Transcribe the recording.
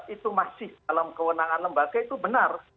itu masih dalam kewenangan lembaga itu benar